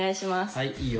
はいいいよ。